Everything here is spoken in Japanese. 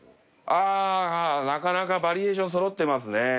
ああなかなかバリエーションそろってますね。